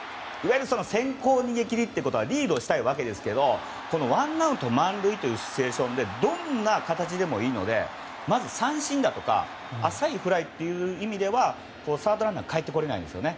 先行逃げ切りということはリードしたいわけですがワンアウト満塁というシチュエーションでどんな形でもいいのでまず三振だとか浅いフライという意味ではサードランナーがかえってこられないんですね。